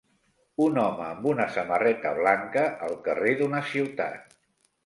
Un home amb una samarreta blanca al carrer d'una ciutat.